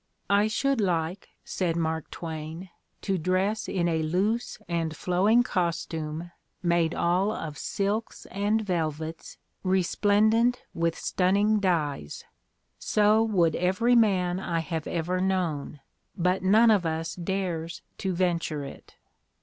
"I should like," said Mark Twain, "to dress in a loose and flowing cos tume made all of silks and velvets resplendent with stunning dyes. So would every man I have ever known ; but none of us dares to venture it."